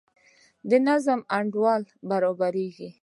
د نظم انډول برابریږي.